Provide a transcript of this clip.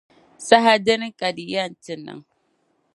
Saha dini ka di yɛn ti niŋ?